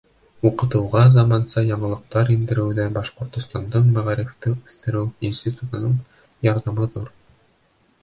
Уҡытыуға заманса яңылыҡтар индереүҙә Башҡортостандың Мәғарифты үҫтереү институтының ярҙамы ҙур.